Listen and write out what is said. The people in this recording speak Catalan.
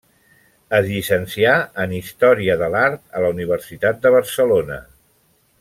Es llicencià en Història de l'Art a la Universitat de Barcelona.